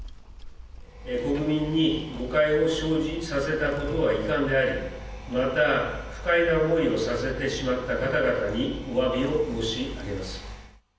国民に誤解を生じさせたことは遺憾であり、また、不快な思いをさせてしまった方々に、おわびを申し上げます。